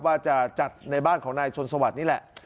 ว่าจะจัดในบ้านของนายชนสวัสดิ์นี่แหละ